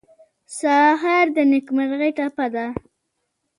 سهار د نیکمرغۍ ټپه ده.